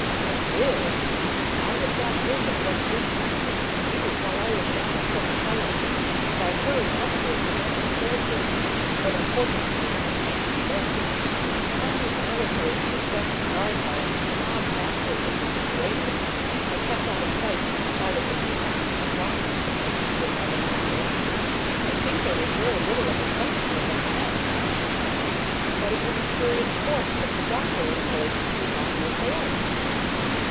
"I did. I had got wind of what Bings intended to do while I was down at Pocotello, and I hurried up here to warn the soldiers, but unfortunately I came too late. Finding the military cooped up in the guard house and the mob masters of the situation, I kept out of sight on the side of the Teton, and watched the siege with my binocular. I think there was very little of the spectacle that I missed." "What of the mysterious force that the doctor employed to sweep off the assailants?"